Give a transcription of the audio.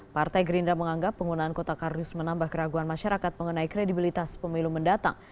partai gerindra menganggap penggunaan kota kardus menambah keraguan masyarakat mengenai kredibilitas pemilu mendatang